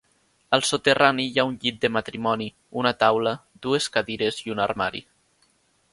Al soterrani hi ha un llit de matrimoni, una taula, dues cadires i un armari.